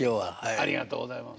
ありがとうございます。